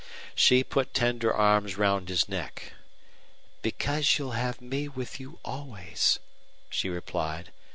She put tender arms round his neck. "Because you'll have me with you always," she replied.